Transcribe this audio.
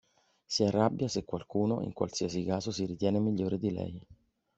Si arrabbia se qualcuno, in qualsiasi caso, si ritiene migliore di lei.